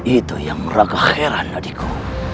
itu yang meraga heran adikku